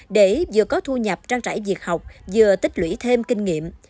để vừa có thu nhập trang trải việc học vừa tích lũy thêm kinh nghiệm